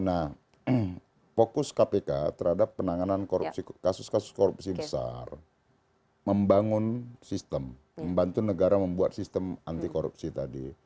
nah fokus kpk terhadap penanganan kasus kasus korupsi besar membangun sistem membantu negara membuat sistem anti korupsi tadi